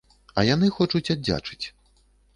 А яны хочуць аддзячыць.